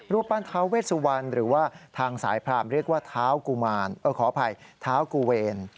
รูปปั้นท้าวเวชสุวรรณหรือว่าทางสายพราหมณ์เรียกว่าท้าวกุเวร